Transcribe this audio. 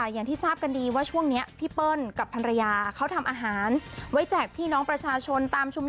อย่างที่ทราบกันดีว่าช่วงนี้พี่เปิ้ลกับภรรยาเขาทำอาหารไว้แจกพี่น้องประชาชนตามชุมชน